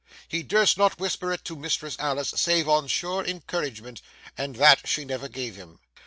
He durst not whisper it to Mistress Alice save on sure encouragement, and that she never gave him.